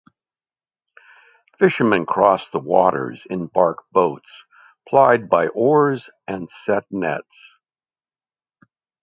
Fishermen crossed the waters in bark boats plied by oars, and set nets.